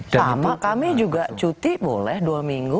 sama kami juga cuti boleh dua minggu